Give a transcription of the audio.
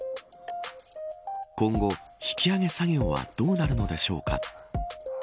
今後、引き揚げ作業はどうなるのでしょうか。